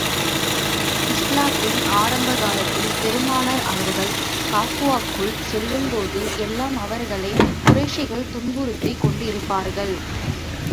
இஸ்லாத்தின் ஆரம்ப காலத்தில், பெருமானார் அவர்கள் கஃபாவுக்குள் செல்லும் போது எல்லாம், அவர்களைக் குறைஷிகள் துன்புறுத்திக் கொண்டிருப்பார்கள்.